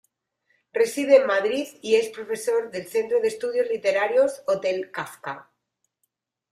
Reside en Madrid y es profesor del centro de estudios literarios Hotel Kafka.